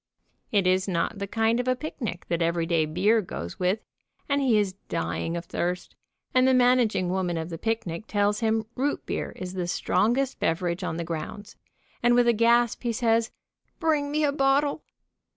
It is not the kind of a picnic that everyday beer goes with, and he is dying of thirst, 212 THE TERRIBLE ROOT BEER JAG and the managing woman of the picnic tells him root beer is the strongest beverage on the grounds, and with a gasp he says, "Bring me a bottle."